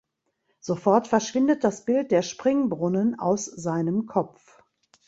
Sofort verschwindet das Bild der Springbrunnen aus seinem Kopf.